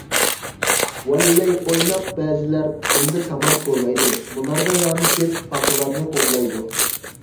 «ۋاللەي» ئويناپ بەزىلەر قۇمدا كامار كولايدۇ، مۇنارلارغا يامىشىپ، پاقىلارنى قوغلايدۇ.